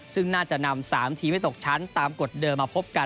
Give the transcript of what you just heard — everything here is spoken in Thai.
ซึ่งน่าจะนำ๓ทีมให้ตกชั้นตามกฎเดิมมาพบกัน